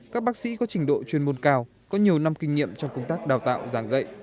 các bác sĩ có trình độ chuyên môn cao có nhiều năm kinh nghiệm trong công tác đào tạo giảng dạy